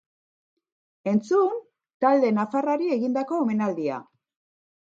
Entzun talde nafarrari egindako omenaldia.